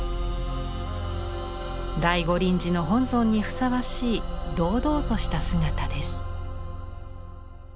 大御輪寺の本尊にふさわしい堂々とした姿です。